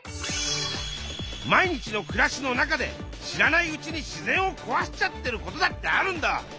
毎日のくらしの中で知らないうちに自然を壊しちゃってることだってあるんだ。